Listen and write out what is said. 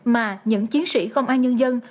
mà những chiến sĩ không ai nhân dân